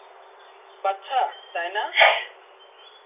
বাচ্ছা, তাই না?